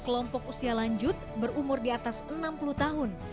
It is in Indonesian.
kelompok usia lanjut berumur di atas enam puluh tahun